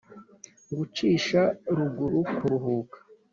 gucisha ruguru: kuruka